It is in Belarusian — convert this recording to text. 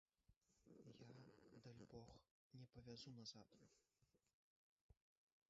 Я, дальбог, не павязу назад!